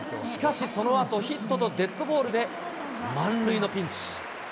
しかしそのあと、ヒットとデッドボールで満塁のピンチ。